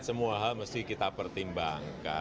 semua hal mesti kita pertimbangkan